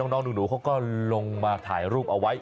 น้องหนูเขาก็ลงมาถ่ายรูปเอาไว้